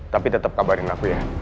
tapi tetap kabarin aku ya